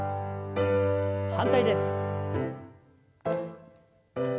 反対です。